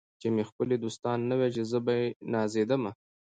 چي مي ښکلي دوستان نه وي چي به زه په نازېدمه